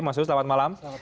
mas suhud selamat malam